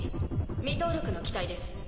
未登録の機体です。